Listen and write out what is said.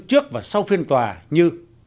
trước và sau phiên tòa như